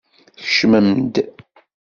Kecmem-d.